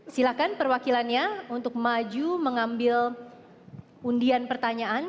silakan perwakilannya untuk maju mengambil undian pertanyaan